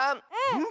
うん。